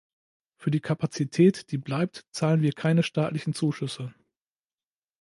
Für die Kapazität, die bleibt, zahlen wir keine staatlichen Zuschüsse.